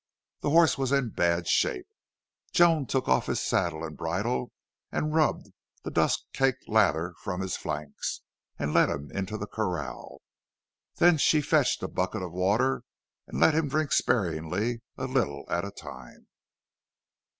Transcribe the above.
The horse was in bad shape. Joan took off his saddle and bridle, and rubbed the dust caked lather from his flanks, and led him into the corral. Then she fetched a bucket of water and let him drink sparingly, a little at a time.